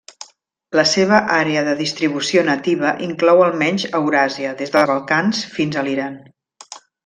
La seva àrea de distribució nativa inclou almenys Euràsia des dels Balcans fins a Iran.